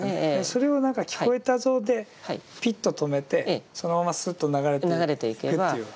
それを何か「聞こえたぞ」でピッと止めてそのままスッと流れていくという。